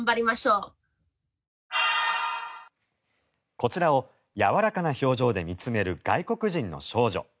こちらをやわらかな表情で見つめる外国人の少女。